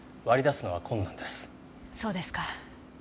そうですか。